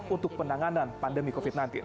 untuk penanganan pandemi covid sembilan belas